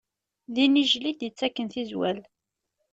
D inijjel i d-ittaken tizwal.